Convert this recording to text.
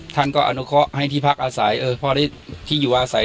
ท่านก็อนุเคราะห์ให้ที่พักอาศัยเออพอได้ที่อยู่อาศัย